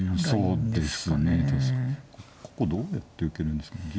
そうですね